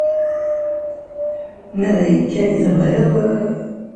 Ma d ayen kan i tebɣiḍ...